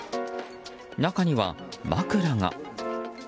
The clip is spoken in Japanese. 中には枕が。